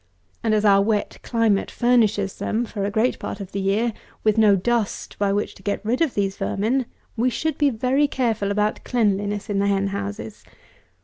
And as our wet climate furnishes them, for a great part of the year, with no dust by which to get rid of these vermin, we should be very careful about cleanliness in the hen houses.